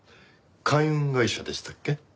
海運会社でしたっけ？